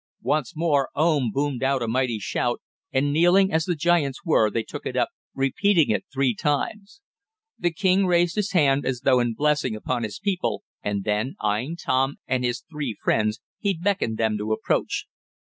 Once more Oom boomed out a mighty shout and, kneeling as the giants were, they took it up, repeating it three times. The king raised his hand as though in blessing upon his people, and then, eyeing Tom and his three friends he beckoned them to approach.